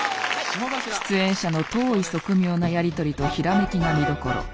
出演者の当意即妙なやりとりとひらめきが見どころ。